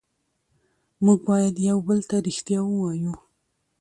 موږ باید یو بل ته ریښتیا ووایو